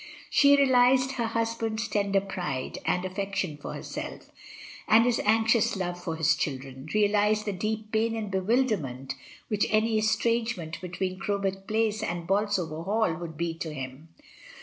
She realised her husband's tender pride and affection for herself, and his anxious love for his children; realised the deep pain and bewilderment which any estrangement be tween Crowbeck Place and Bolsover Hall would be to him.